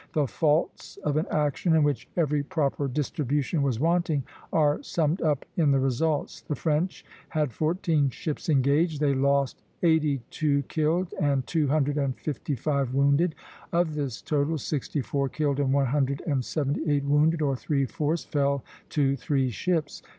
The faults of an action in which every proper distribution was wanting are summed up in the results. The French had fourteen ships engaged. They lost eighty two killed and two hundred and fifty five wounded. Of this total, sixty four killed and one hundred and seventy eight wounded, or three fourths, fell to three ships.